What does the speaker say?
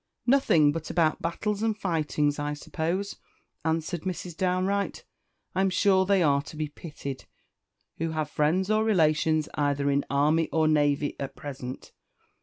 "Nothing but about battles and fightings, I suppose," answered Mrs. Downe Wright. "I'm sure they are to be pitied who have friends or relations either in army or navy at present.